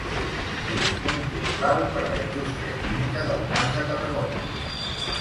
És un punt clau per a la indústria química del Camp de Tarragona.